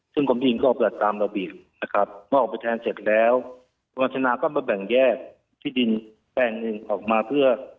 ซึ่งกรมดินก็เปิดตามระเบียบนะครับเมื่อออกไปแทนเสร็จแล้วคุณวัฒนาก็มาแบ่งแยกที่ดินแปลงหนึ่งออกมาเพื่อ